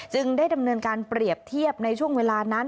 ได้ดำเนินการเปรียบเทียบในช่วงเวลานั้น